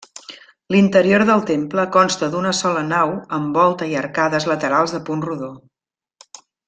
L'interior del temple consta d'una sola nau amb volta i arcades laterals de punt rodó.